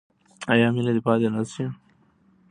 آیا مینه دې پاتې نشي؟